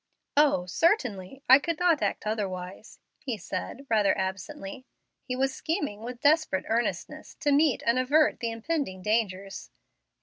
"O, certainly, I could not act otherwise," he said, rather absently. He was scheming with desperate earnestness to meet and avert the impending dangers.